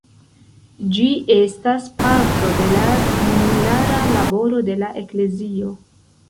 Ĝi estas parto de la junulara laboro de la eklezio.